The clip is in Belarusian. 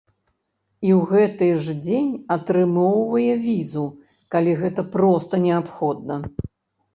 І ў гэты ж дзень атрымоўвае візу, калі гэта проста неабходна.